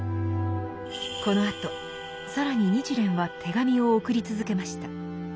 このあと更に日蓮は手紙を送り続けました。